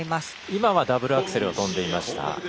今はダブルアクセルを跳んでいました。